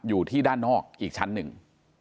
อยู่ที่ด้านนอกอีกชั้นหนึ่ง